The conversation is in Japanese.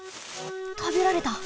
たべられた。